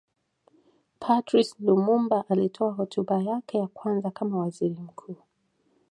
Patrice Lumumba alitoa hotuba yake ya kwanza kama Waziri mkuu